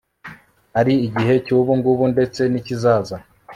ari igihe cy'ubungubu ndetse n'ikizaza